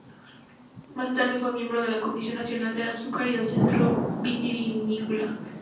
Más tarde fue miembro de la Comisión Nacional del Azúcar y del Centro Vitivinícola.